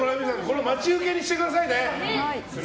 これを待ち受けにしてくださいね。